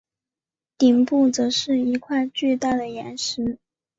顶部则是一块巨大的岩石。